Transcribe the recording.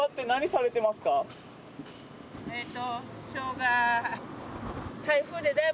えっと。